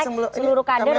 seluruh caleg seluruh kader